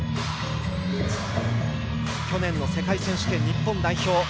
去年の世界選手権日本代表。